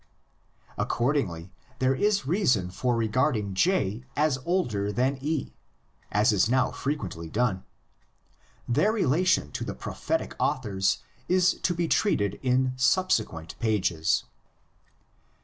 Accordingly there is reason for regarding J as older than E, as is now frequently done. Their relation to the Prophetic authors is to be treated in subsequent pages.